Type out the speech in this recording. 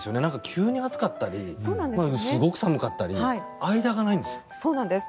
急に暑かったりすごく寒かったり間がないんです。